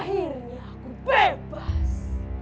akhirnya aku bebas